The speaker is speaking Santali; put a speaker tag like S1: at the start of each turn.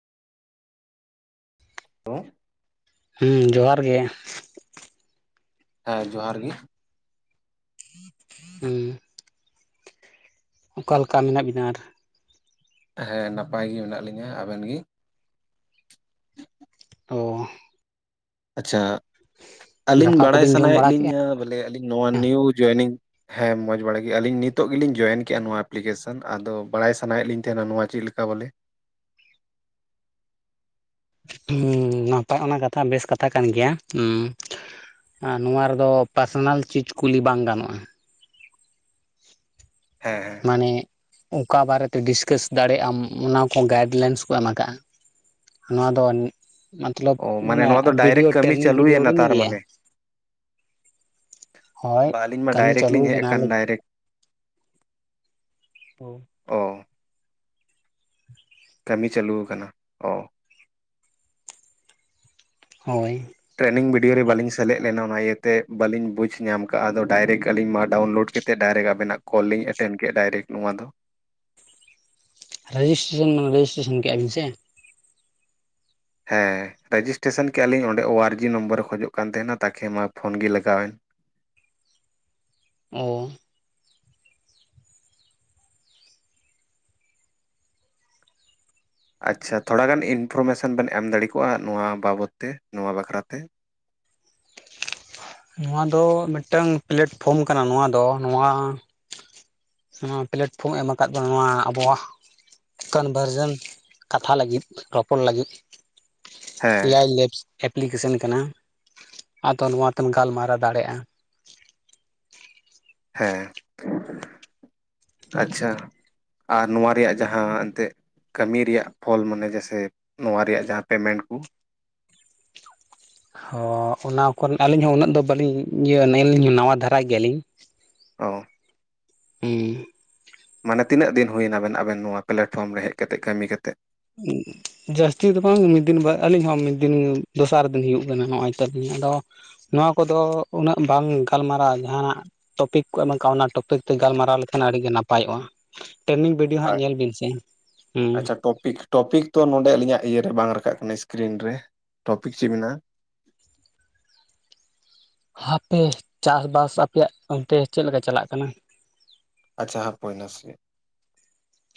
S1: [unintelligible]
S2: ᱦᱮᱸ ᱡᱚᱦᱟᱨ ᱜᱮ
S1: ᱦᱮᱸ ᱡᱚᱦᱟᱨ ᱜᱮ
S2: [inaudible] ᱦᱮᱸ [unintelligible] ᱚᱠᱟᱞ ᱞᱮᱠᱟ ᱢᱮᱱᱟᱜ ᱵᱤᱱᱟ ᱟᱨ
S1: ᱦᱮᱸ ᱱᱟᱯᱟᱭ ᱜᱮ ᱢᱮᱱᱟᱜ ᱞᱤᱧᱟᱹ ᱟᱵᱮᱱ ᱜᱮ
S2: ᱚᱻ
S1: ᱟᱪᱪᱷᱟ ᱟᱹᱞᱤᱧ
S2: ᱫᱟᱠᱟ
S1: ᱵᱟᱲᱟᱭ
S2: ᱠᱚᱵᱤᱱ ᱡᱚᱢ
S1: ᱥᱟᱱᱟᱭᱮᱫ
S2: ᱵᱟᱲᱟ ᱠᱮᱜᱼᱟ
S1: ᱞᱤᱧᱟᱹ ᱵᱚᱞᱮ ᱟᱹᱞᱤᱧ ᱱᱚᱣᱟ ᱱᱤᱭᱩ ᱡᱚᱭᱮᱱᱤᱝ ᱦᱮᱸ ᱢᱚᱸᱡᱽ ᱵᱟᱲᱟ ᱜᱮ ᱟᱞᱤᱧ ᱱᱤᱛᱚᱜ ᱜᱮᱞᱤᱧ ᱡᱚᱭᱮᱱ ᱠᱮᱫᱼᱟ ᱱᱚᱣᱟ ᱮᱯᱞᱤᱠᱮᱥᱚᱱ ᱟᱫᱚ ᱵᱟᱲᱟᱭ ᱥᱟᱱᱟᱭᱮᱫ ᱞᱤᱧ ᱛᱟᱦᱮᱱᱟ ᱱᱚᱣᱟ ᱪᱮᱫ ᱞᱮᱠᱟ ᱵᱚᱞᱮ
S2: ᱦᱩᱻᱸ ᱱᱟᱯᱟᱭ ᱚᱱᱟ ᱠᱟᱛᱷᱟ ᱵᱮᱥ ᱠᱟᱛᱷᱟ ᱠᱟᱱ ᱜᱮᱭᱟ ᱦᱩᱸᱻ ᱟᱨ ᱱᱚᱣᱟ ᱨᱮᱫᱚ ᱯᱟᱨᱥᱚᱱᱟᱞ ᱪᱤᱡᱽ ᱠᱩᱞᱤ ᱵᱟᱝ ᱜᱟᱱᱚᱜᱼᱟ᱾
S1: ᱦᱮᱸᱮ
S2: ᱢᱟᱱᱮ ᱚᱠᱟ ᱵᱟᱨᱮᱛᱮ ᱰᱤᱥᱠᱟᱥ ᱫᱟᱲᱮᱭᱟᱜ ᱟᱢ ᱚᱱᱟ ᱠᱚ ᱜᱟᱭᱤᱰ ᱞᱟᱭᱤᱱᱥ ᱠᱚ ᱮᱢ ᱟᱠᱟᱫᱼᱟ ᱱᱚᱣᱟ ᱫᱚ ᱢᱚᱛᱞᱚᱵ
S1: ᱚ
S2: ᱢᱟᱱᱮ
S1: ᱱᱚᱣᱟ ᱫᱚ
S2: ᱵᱷᱤᱰᱭᱳ
S1: ᱰᱟᱭᱨᱮᱠᱴ ᱠᱟᱹᱢᱤ
S2: ᱴᱨᱮᱱᱤᱝ ᱵᱷᱤᱰᱭᱳ
S1: ᱪᱟᱹᱞᱩᱭᱮᱱᱟ
S2: ᱵᱟᱵᱤᱱ ᱧᱮᱞ ᱞᱮᱫ-ᱟ ᱦᱳᱭ
S1: ᱵᱟᱝ ᱟᱹᱞᱤᱧ ᱢᱟ
S2: ᱠᱟᱹᱢᱤ
S1: ᱰᱟᱭᱨᱮᱠᱴ
S2: ᱪᱟᱹᱞᱩ
S1: ᱞᱤᱧ ᱦᱮᱡ
S2: ᱠᱟᱱᱟ
S1: ᱟᱠᱟᱱ ᱰᱟᱭᱨᱮᱠᱴ
S2: [unintelligible]
S1: ᱚ ᱠᱟᱹᱢᱤ ᱪᱟᱹᱞᱩ ᱟᱠᱟᱱᱟ ᱚ
S2: ᱦᱳᱭ
S1: ᱴᱨᱮᱱᱤᱝ ᱵᱷᱤᱰᱭᱳ ᱨᱮ ᱵᱟᱞᱤᱧ ᱥᱮᱞᱮᱫ ᱞᱮᱱᱟ ᱚᱱᱟ ᱤᱭᱟᱹᱛᱮ ᱵᱟᱹᱞᱤᱧ ᱵᱩᱡᱽ ᱧᱟᱢ ᱠᱟᱜᱼᱟ ᱟᱫᱚ ᱰᱟᱭᱨᱮᱠᱴ ᱟᱞᱤᱧ ᱢᱟ ᱰᱟᱣᱩᱱᱞᱳᱰ ᱠᱮᱫ ᱰᱟᱭᱨᱮᱠᱴ ᱟᱵᱮᱱᱟᱜ ᱠᱚᱞ ᱞᱤ ᱮᱴᱮᱱᱰ ᱠᱮᱫ ᱰᱟᱭᱨᱮᱠᱴ ᱱᱚᱣᱟ ᱫᱚ
S2: ᱨᱮᱡᱤᱥᱴᱨᱮᱥᱚᱱ [unintelligible] ᱨᱮᱡᱤᱥᱴᱨᱮᱥᱚᱱ ᱠᱮ ᱟᱜ ᱵᱮᱱ ᱥᱮ?
S1: ᱦᱮᱸ ᱨᱮᱡᱤᱥᱴᱨᱮᱥᱚᱱ ᱠᱮᱫᱼᱟ ᱞᱤᱧ ᱚᱸᱰᱮ ᱳ ᱟᱨ ᱡᱤ ᱱᱚᱢᱵᱚᱨᱮ ᱠᱷᱚᱡᱚᱜ ᱠᱟᱱ ᱛᱟᱦᱮᱱᱟ ᱛᱟᱠᱮ ᱢᱟ ᱯᱷᱳᱱ ᱜᱮ ᱞᱟᱜᱟᱣᱮᱱ᱾
S2: ᱚᱻ
S1: ᱟᱪᱪᱷᱟ ᱛᱷᱚᱲᱟᱜᱟᱱ ᱤᱱᱯᱷᱚᱨᱢᱮᱥᱚᱱ ᱵᱮᱱ ᱮᱢ ᱫᱟᱲᱮ ᱠᱚᱜᱼᱟ ᱱᱚᱣᱟ ᱵᱟᱵᱚᱫ ᱛᱮ ᱱᱚᱣᱟ ᱵᱟᱵᱚᱛ ᱛᱮ ᱾
S2: ᱱᱚᱣᱟ ᱫᱚ ᱢᱤᱫᱴᱟᱝ ᱯᱞᱟᱮᱴᱯᱷᱨᱚᱢ ᱠᱟᱱᱟ ᱱᱚᱣᱟ ᱫᱚ ᱱᱚᱣᱟ ᱱᱚᱣᱟ ᱯᱞᱟᱴᱯᱷᱨᱚᱢ ᱮᱢ ᱟᱠᱟᱫ ᱵᱚᱱᱟ ᱱᱚᱣᱟ ᱟᱵᱚᱣᱟᱜ ᱠᱚᱱᱵᱷᱟᱨᱡᱮᱱ ᱠᱟᱛᱷᱟ ᱞᱟᱹᱜᱤᱫ ᱨᱚᱯᱚᱲ ᱞᱟᱹᱜᱤᱫ
S1: ᱦᱮᱸ
S2: ᱮᱭᱟᱭ ᱞᱮᱯᱥ ᱮᱯᱞᱤᱠᱮᱥᱚᱱ ᱠᱟᱱᱟ ᱟᱫᱚ ᱱᱚᱣᱟ ᱛᱮᱢ ᱜᱟᱞᱢᱟᱨᱟᱣ ᱫᱟᱲᱮᱭᱟᱜᱼᱟ᱾
S1: ᱦᱮᱸ ᱟᱪᱷᱟ ᱟᱨ ᱱᱚᱣᱟ ᱨᱮᱭᱟᱜ ᱡᱟᱦᱟᱸ ᱮᱱᱛᱮᱜ ᱠᱟᱹᱢᱤ ᱨᱮᱭᱟᱜ ᱯᱷᱚᱞ ᱢᱟᱱᱮ ᱡᱮᱥᱮ ᱱᱚᱣᱟ ᱨᱮᱭᱟᱜ ᱡᱟᱦᱟᱸ ᱯᱮᱢᱮᱱᱴ ᱠᱚ?
S2: ᱦᱚᱸ ᱚᱱᱟ ᱠᱚᱨᱮ ᱟᱹᱞᱤᱧ ᱦᱚᱸ ᱩᱱᱟᱹᱜ ᱫᱚ ᱵᱟᱹᱞᱤᱧ ᱤᱭᱟᱹ ᱞᱤᱧ ᱱᱟᱣᱟ ᱫᱷᱟᱨᱟ ᱜᱮᱭᱟᱞᱤᱧ᱾
S1: ᱚ
S2: ᱦᱩᱸᱻ
S1: ᱢᱟᱱᱮ ᱛᱤᱱᱟᱹᱜ ᱫᱤᱱ ᱦᱩᱭᱱᱟ ᱵᱮᱱ ᱟᱵᱮᱱ ᱱᱚᱣᱟ ᱯᱞᱟᱴᱯᱷᱚᱨᱚᱢ ᱨᱮ ᱦᱮᱡ ᱠᱟᱛᱮᱫ ᱠᱟᱹᱢᱤ ᱠᱟᱛᱮᱫ?
S2: ᱡᱟᱹᱥᱛᱤ ᱫᱚ ᱵᱟᱝ ᱢᱤᱫ ᱫᱤᱱ ᱟᱹᱞᱤᱧ ᱦᱚᱸ ᱢᱤᱫ ᱫᱤᱱ ᱫᱚᱥᱟᱨ ᱫᱤᱱ ᱦᱩᱭᱩᱜ ᱠᱟᱱᱟ ᱱᱚᱜᱼᱚᱭ ᱛᱚ ᱟᱞᱤᱧ ᱟᱫᱚ ᱱᱚᱣᱟ ᱠᱚᱫᱚ ᱩᱱᱟᱹᱜ ᱵᱟᱝ ᱜᱟᱞᱢᱟᱨᱟᱣᱟ ᱡᱟᱦᱟᱱᱟᱜ ᱴᱚᱯᱤᱠ ᱠᱚ ᱮᱢ ᱠᱟᱜᱼᱟ ᱚᱱᱟ ᱴᱚᱯᱤᱠ ᱛᱮ ᱜᱟᱞᱢᱟᱨᱟᱣ ᱞᱮᱠᱷᱟᱱ ᱟᱹᱰᱤ ᱜᱮ ᱱᱟᱯᱟᱭᱚᱜᱼᱟ᱾ ᱴᱨᱮᱱᱤᱝ ᱵᱤ ᱰᱤᱣ ᱦᱟᱸᱜ
S1: ᱟᱨ
S2: ᱧᱮᱞ ᱵᱤᱱ ᱥᱮ ᱦᱩᱸ
S1: ᱟᱪᱪᱷᱟ ᱴᱚᱯᱤᱠ ᱴᱚᱯᱤᱠ ᱛᱚ ᱱᱚᱰᱮ ᱟᱹᱞᱤᱧᱟᱜ ᱤᱭᱟᱹ ᱨᱮ ᱵᱟᱝ ᱨᱟᱠᱟᱵ ᱠᱟᱱᱟ ᱥᱠᱨᱤᱱ ᱨᱮ ᱴᱚᱯᱤᱠ ᱪᱮᱫ ᱢᱮᱱᱟᱜᱼᱟ?
S2: ᱦᱟᱯᱮ ᱪᱟᱥ ᱵᱟᱥ ᱟᱯᱮᱭᱟᱜ ᱚᱱᱛᱮ ᱪᱮᱫ ᱞᱮᱠᱟ ᱪᱟᱞᱟᱜ ᱠᱟᱱᱟ?
S1: ᱟᱪᱪᱷᱟ ᱦᱟᱯᱚᱭ ᱱᱟᱥᱮ